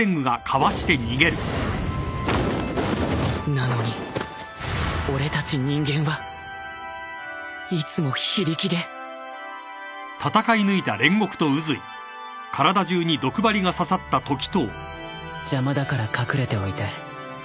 なのに俺たち人間はいつも非力で邪魔だから隠れておいて。